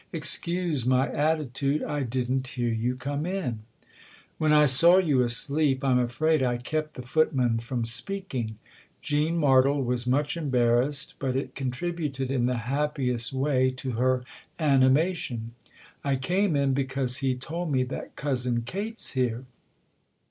" Excuse my attitude I didn't hear you come in." " When I saw you asleep I'm afraid I kept the footman from speaking." Jean Martle was much embarrassed, but it contributed in the happiest way to her animation. " I came in because he told me that Cousin Kate's here."